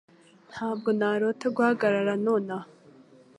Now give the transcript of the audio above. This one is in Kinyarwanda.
Ntabwo narota guhagarara nonaha